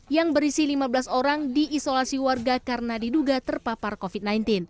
yang berisi lima belas orang diisolasi warga karena diduga terpapar covid sembilan belas